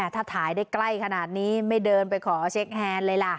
ถ้าถ่ายได้ใกล้ขนาดนี้ไม่เดินไปขอเช็คแฮนด์เลยล่ะ